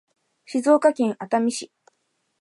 静岡県熱海市